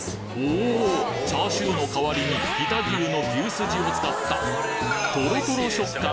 おチャーシューの代わりに飛騨牛の牛すじを使ったトロトロ食感